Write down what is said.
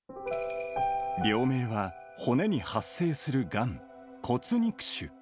病名は骨に発生するがん、骨肉腫。